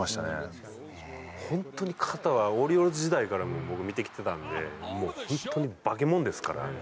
ホントに肩はオリオールズ時代から僕見てきてたんでもうホントに化け物ですから。